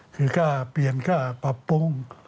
คือค่าเปลี่ยนกล้าปรับปรุง